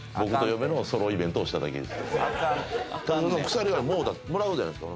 鎖はもらうじゃないですか。